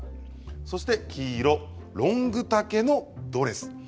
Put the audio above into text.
そして黄色はロング丈のドレス。